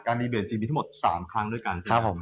การดีเบตจริงมีทั้งหมด๓ครั้งด้วยกันใช่ไหมครับ